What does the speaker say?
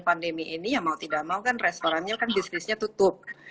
pandemi ini yang mau tidak mau kan restorannya kan bisnisnya tutup atau paling tidak dikurangi